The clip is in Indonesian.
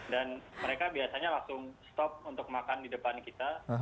mereka biasanya langsung stop untuk makan di depan kita